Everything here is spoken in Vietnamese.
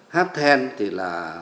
hát then thì là